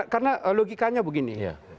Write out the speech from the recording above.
karena logikanya begini